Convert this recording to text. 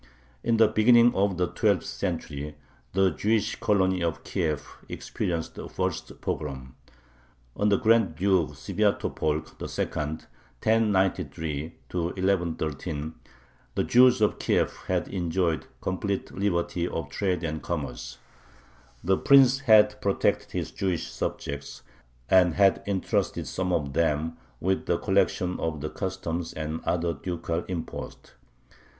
In the beginning of the twelfth century the Jewish colony of Kiev experienced the first pogrom. Under Grand Duke Svyatopolk II. (1093 1113) the Jews of Kiev had enjoyed complete liberty of trade and commerce. The Prince had protected his Jewish subjects, and had intrusted some of them with the collection of the customs and other ducal imposts.